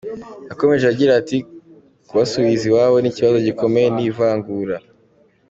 Yakomeje agira ati “Kubasubiza iwabo ni ikibazo gikomeye, ni ivangura.